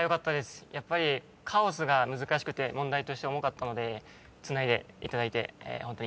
やっぱり「カオス」が難しくて問題として重かったのでつないでいただいてホントに助かりました。